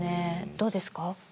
どうですか。